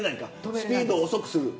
スピードを遅くする。